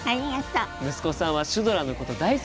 息子さんはシュドラのこと大好きなんだって！